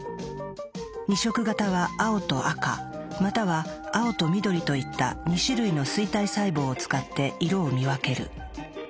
２色型は青と赤または青と緑といった２種類の錐体細胞を使って色を見分ける。